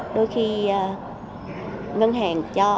đôi khi ngân hàng cho doanh nghiệp